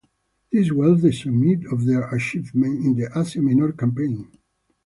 This was the summit of their achievement in the Asia Minor Campaign.